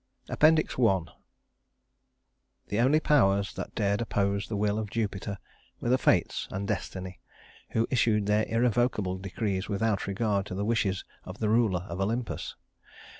APPENDIX I The only powers that dared oppose the will of Jupiter were the Fates and Destiny, who issued their irrevocable decrees without regard to the wishes of the ruler of Olympus.